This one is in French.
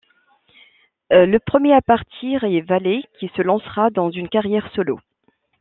Le premier à partir est Valley, qui se lancera dans une carrière solo.